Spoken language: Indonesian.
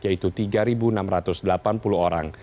yaitu tiga enam ratus delapan puluh orang